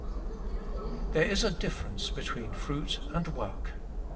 THERE is a difterence between fruit and work.